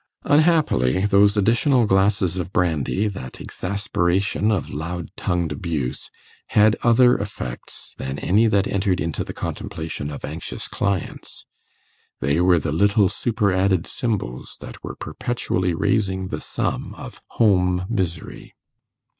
Unhappily those additional glasses of brandy, that exasperation of loud tongued abuse, had other effects than any that entered into the contemplation of anxious clients: they were the little super added symbols that were perpetually raising the sum of home misery.